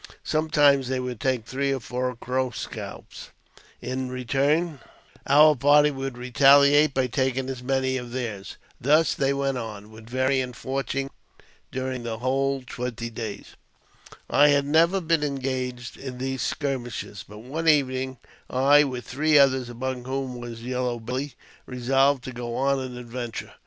Sometimes they would take three or four Crow scalps ; in return, our party would retaliate by taking as many of theirs. Thus they went on, with varying fortune, during the whole twenty days. I had never been engaged in these skirmishes; but one evening, I, with three others, among whom was Yellow Belly, resolved to go on an adventure.